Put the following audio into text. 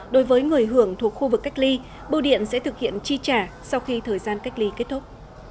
đối với người hưởng thuộc khu vực cách ly bưu điện sẽ thực hiện chi trả sau khi thời gian cách ly kết thúc